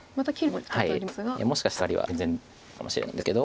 もしかしたらサガリは全然悪い手かもしれないんですけど。